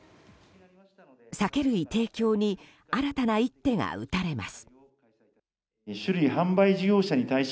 酒類提供に新たな一手が打たれます。